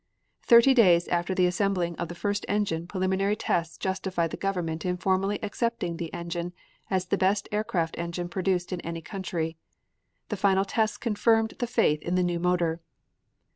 Thirty days after the assembling of the first engine preliminary tests justified the government in formally accepting the engine as the best aircraft engine produced in any country. The final tests confirmed the faith in the new motor.